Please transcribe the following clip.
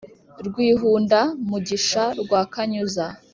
rwihunda-mugisha rwa kanyuza